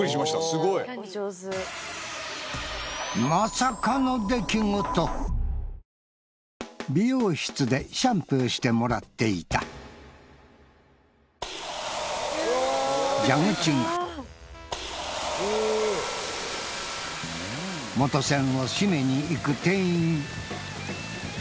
すごい美容室でシャンプーしてもらっていた蛇口が元栓を閉めに行く店員